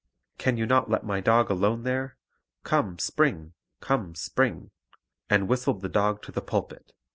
can you not let my dog alone there? Come, Springe! come, Springe!' and whistled the dog to the pulpit."